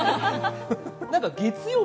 月曜日